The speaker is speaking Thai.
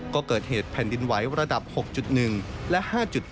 ก็เกิดเหตุแผ่นดินไหวระดับ๖๑และ๕๗